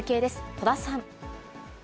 戸田さん。